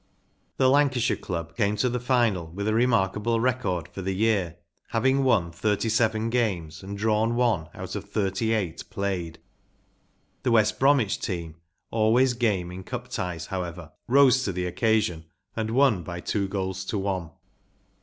The Lancashire dub came to the final with a remarkable record for the year, having won thirty seven games and drawn one out of thirty eight played. The West Bromwich team, always game in Cup ties, however, ros^ to the occasion atid won by two goals to one.